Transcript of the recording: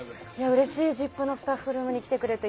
うれしい、「ＺＩＰ！」のスタッフルームに来てくれて。